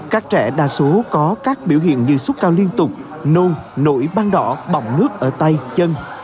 các trẻ đa số có các biểu hiện như sốt cao liên tục nôn nổi băng đỏ bỏng nước ở tay chân